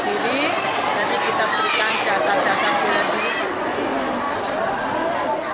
dia bisa menyelamatkan diri jadi kita berikan dasar dasar bela diri